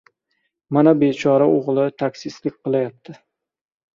Mana, bechora oʻgʻli taksistlik qilyapti.